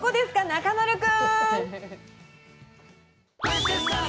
中丸君！